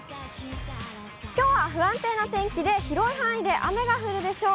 きょうは不安定な天気で、広い範囲で雨が降るでしょう。